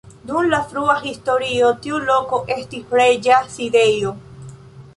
Dum la frua historio tiu loko estis reĝa sidejo.